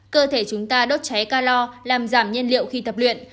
cơ thể chúng ta đốt cháy calor làm giảm nhân liệu khi tập luyện